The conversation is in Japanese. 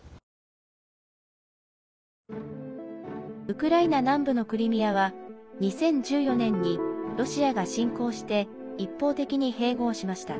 ウクライナ南部のクリミアは２０１４年にロシアが侵攻して一方的に併合しました。